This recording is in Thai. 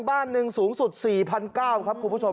บ้านหนึ่งสูงสุด๔๙๐๐ครับคุณผู้ชม